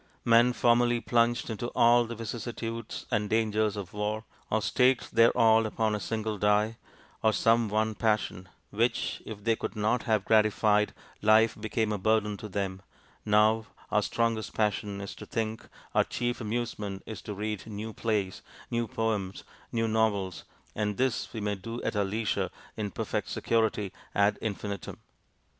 Men formerly plunged into all the vicissitudes and dangers of war, or staked their all upon a single die, or some one passion, which if they could not have gratified, life became a burden to them now our strongest passion is to think, our chief amusement is to read new plays, new poems, new novels, and this we may do at our leisure, in perfect security, ad infinitum.